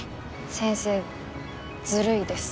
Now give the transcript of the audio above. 先生ずるいです。